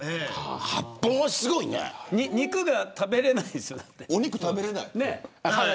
８本はすごいね肉が食べれないんでしょ。